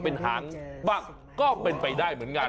เป็นหางบ้างก็เป็นไปได้เหมือนกัน